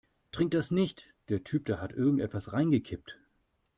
Trink das nicht, der Typ da hat irgendetwas reingekippt.